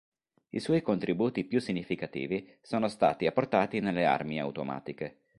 I suoi contributi più significativi sono stati apportati nelle armi automatiche.